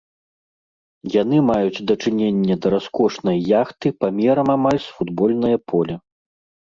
Яны маюць дачыненне да раскошнай яхты памерам амаль з футбольнае поле.